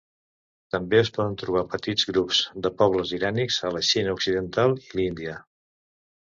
També es poden trobar petits grups de pobles irànics a la Xina occidental i l'Índia.